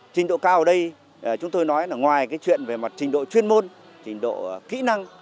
trình độ cao ở đây chúng tôi nói là ngoài cái chuyện về mặt trình độ chuyên môn trình độ kỹ năng